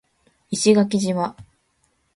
石垣島